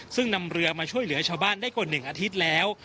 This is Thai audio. ซึ่งนำเรือมาช่วยเหลือชาวบ้านได้กว่า๑อาทิตย์แล้ว